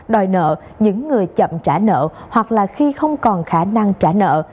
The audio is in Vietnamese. đòi nợ những người chậm trả nợ hoặc là khi không còn khả năng trả nợ